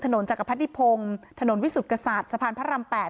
ถนนจักรพัทดิพงถนนวิสุตกษรสภารพรรำแปด